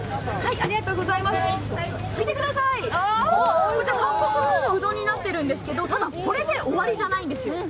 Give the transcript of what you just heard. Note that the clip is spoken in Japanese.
見てください、こちら韓国風のうどんになってるんですけど、ただ、これで終わりじゃないんですよ。